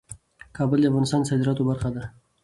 کابل د افغانستان د صادراتو برخه ده.